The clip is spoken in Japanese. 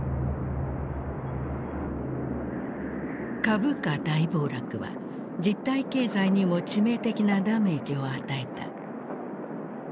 株価大暴落は実体経済にも致命的なダメージを与えた。